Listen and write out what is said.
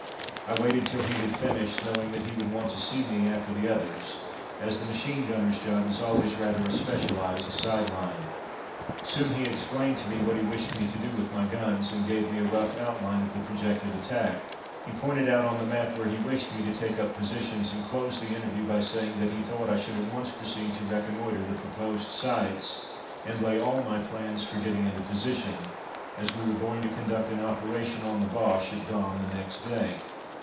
I waited till he had finished, knowing that he would want to see me after the others, as the machine gunner's job is always rather a specialized side line. Soon he explained to me what he wished me to do with my guns, and gave me a rough outline of the projected attack. He pointed out on the map where he wished me to take up positions, and closed the interview by saying that he thought I should at once proceed to reconnoitre the proposed sites, and lay all my plans for getting into position, as we were going to conduct an operation on the Boches at dawn the next day.